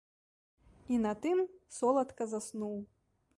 І на тым соладка заснуў.